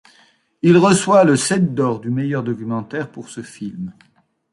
Il reçoit le Sept d'or du meilleur documentaire pour ce film.